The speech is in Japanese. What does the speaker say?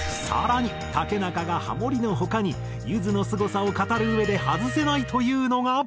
更に竹中がハモリの他にゆずのすごさを語るうえで外せないというのが。